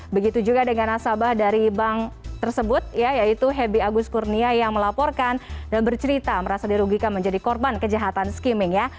begitu juga dengan nasabah dari bank tersebut yaitu hebi agus kurnia yang melaporkan dan bercerita merasa dirugikan menjadi korban kejahatan skimming ya